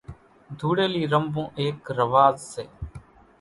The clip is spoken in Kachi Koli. ڌوڙِيلي رموون ايڪ رواز سي